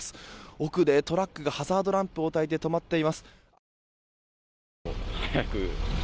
奥でトラックがハザードランプをたいて止まっています。